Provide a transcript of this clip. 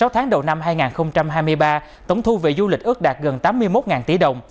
sáu tháng đầu năm hai nghìn hai mươi ba tổng thu về du lịch ước đạt gần tám mươi một tỷ đồng